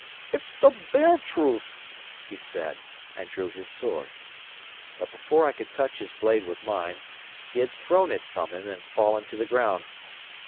"It's the bare truth," he said, and drew his sword. But before I could touch his blade with mine, he had thrown it from him and fallen to the ground.